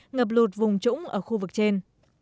ngập lụt vùng trũng ở khu vực trên